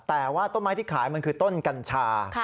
แต่ว่าต้นไม้ที่ขายมันคือต้นกัญชา